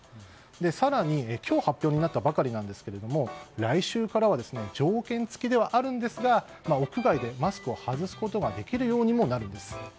更に今日発表になったばかりですが来週からは条件付きではあるんですが屋外でマスクを外すことができるようにもなるんです。